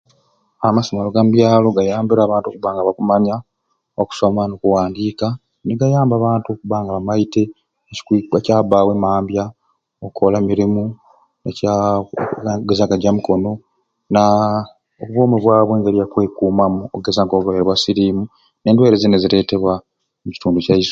Amasomero ga mbyalo gayambire abantu okubanga bakumanya okusoma n'okuwandika nugayamba abantu okubanga bamaite ekikwi ekyabawo emambya okola emirimu nekya okugezaku ejamukono naaa obwomi bwabwe engeri yakwekumamu okugeza nk'obulwaire bwa sirimu nendwaire ezindi eziretebwa omukitundu kyaiswe.